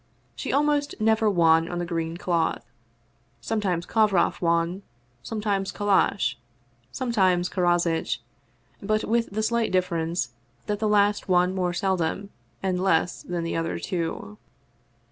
She almost never won on the green cloth ; sometimes Kovroff won, sometimes Kallash, sometimes Karozitch, but with the slight differ ence that the last won more seldom and less than the other two.